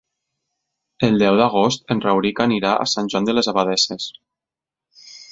El deu d'agost en Rauric anirà a Sant Joan de les Abadesses.